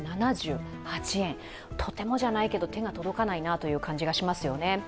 とてもじゃないけど手が届かないなという感じがしますよね。